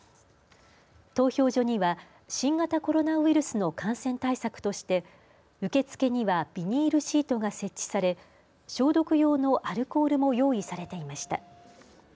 投票所には新型コロナウイルスの感染対策として、受け付けにはビニールシートが設置され消毒用のアルコールも用意されていました。